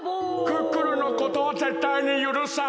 クックルンのことはぜったいにゆるさん！